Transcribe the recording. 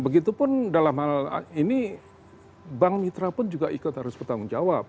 begitupun dalam hal ini bank mitra pun juga ikut harus bertanggung jawab